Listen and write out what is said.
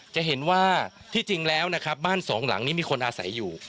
จะเห็นว่าที่จริงแล้วนะครับบ้านสองหลังนี้มีคนอาศัยอยู่